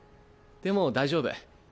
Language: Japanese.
でも大丈夫。